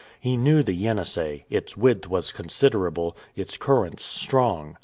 He knew the Yenisei, its width was considerable, its currents strong.